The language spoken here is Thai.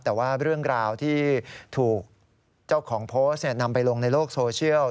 แต่ว่าเรื่องราวที่ถูกเจ้าของโพสต์นำไปลงในโลกโซเชียล